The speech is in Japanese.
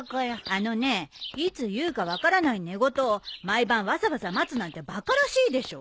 あのねいつ言うか分からない寝言を毎晩わざわざ待つなんてバカらしいでしょ。